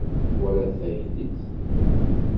Twalaḍ tagellidt?